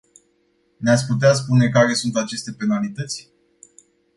Ne-ați putea spune care sunt aceste penalități?